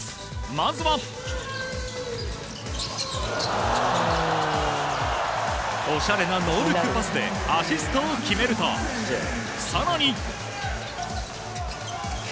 まずはおしゃれなノールックパスでアシストを決めると更に。